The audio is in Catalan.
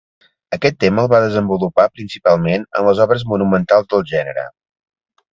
Aquest tema el va desenvolupar principalment en les obres monumentals del gènere.